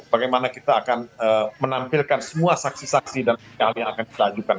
bagaimana kita akan menampilkan semua saksi saksi dalam hal yang akan kita ajukan